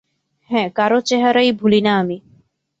হ্যাঁ, কারো চেহারাই ভুলি না আমি।